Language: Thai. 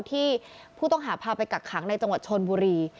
ที่ผู้ต้องหาพาไปกักขังในจังหวัดชนบุรี